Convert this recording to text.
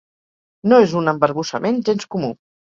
No és un embarbussament gens comú.